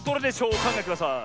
おかんがえください。